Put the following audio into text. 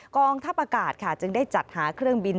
กองทัพอากาศค่ะจึงได้จัดหาเครื่องบิน